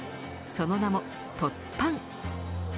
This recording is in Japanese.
その名も凸パン。